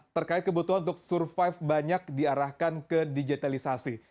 terkait kebutuhan untuk survive banyak diarahkan ke digitalisasi